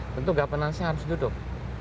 tentu governance nya harus duduk